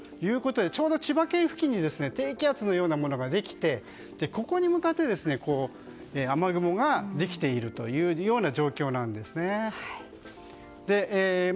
ちょうど千葉県付近に低気圧のようなものができてここに向かって雨雲ができている状況なんです。